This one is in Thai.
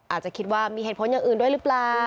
อาจจะคิดว่ามีเหตุผลอย่างอื่นด้วยหรือเปล่า